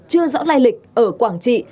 chưa rõ lai lịch ở quảng trị